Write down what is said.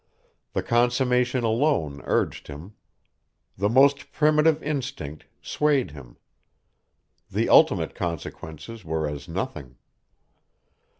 The consummation alone urged him. The most primitive instinct swayed him. The ultimate consequences were as nothing.